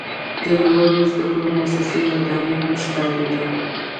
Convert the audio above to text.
د لوړو زده کړو موسسې ودانۍ هم ښکاریده.